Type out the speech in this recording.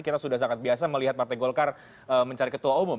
kita sudah sangat biasa melihat partai golkar mencari ketua umum